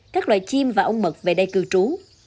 các loài chim và ong mật về đây cư trú